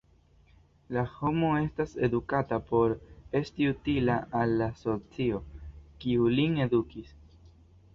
La homo estas edukata por esti utila al la socio, kiu lin edukis.